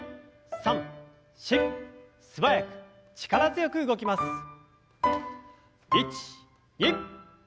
素早く力強く動きます。